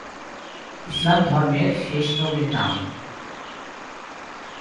ইসলাম ধর্মের শেষ নবীর নাম।